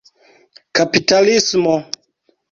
kapitalismo